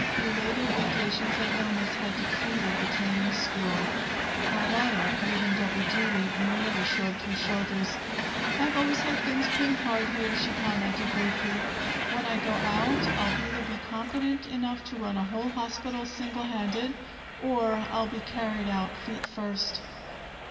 Belated vacations and illness had depleted the training school. Carlotta, given double duty, merely shrugged her shoulders. "I've always had things pretty hard here," she commented briefly. "When I go out, I'll either be competent enough to run a whole hospital singlehanded, or I'll be carried out feet first."